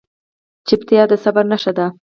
چپتیا، د صبر نښه ده.